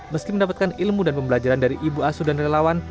meski mendapatkan ilmu dan pembelajaran dari ibu asuh dan relawan